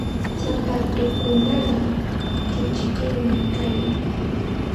Sapatuukunaqa kichkim kayan.